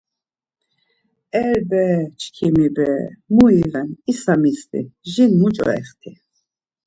E bere, çkimi bere, mu iven, isa mitzvi jin muç̌o exti?